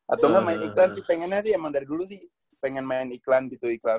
atau nggak main iklan sih pengennya sih emang dari dulu sih pengen main iklan gitu iklan